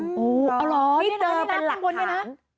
อ๋อนี่นะนี่นะข้างบนเนี่ยนะ